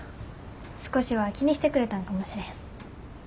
少しは気にしてくれたんかもしれへん。